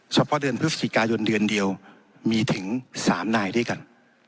เฉพาะเดือนพฤศจิกายนเดือนเดียวมีถึง๓นายด้วยกัน